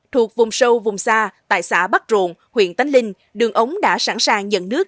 thuộc vùng sâu vùng xa tại xã bắc rộn huyện tánh linh đường ống đã sẵn sàng nhận nước